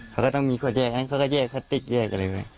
เขาก็ต้องมีขวดแยกอันนั้นเขาก็เย็บเขาติ๊กเย็บกันเลย